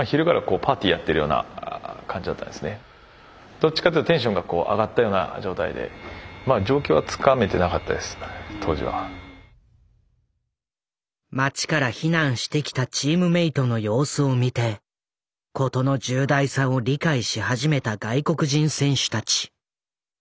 どっちかというとテンションが上がったような状態で町から避難してきたチームメートの様子を見て事の重大さを理解し始めた外国人選手たち。